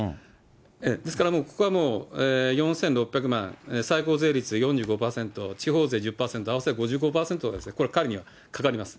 ですからここはもう、４６００万、最高税率で４５％、地方税１０％、合わせて５５％ですね、これ彼にはかかります。